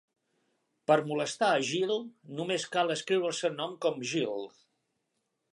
Per molestar a Gill, només cal escriure el seu nom com Jill.